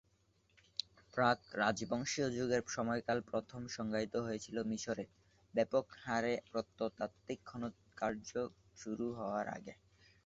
প্রাক-রাজবংশীয় যুগের সময়কাল প্রথম সংজ্ঞায়িত হয়েছিল মিশরে ব্যাপক হারে প্রত্নতাত্ত্বিক খননকার্য শুরু হওয়ার আগেই।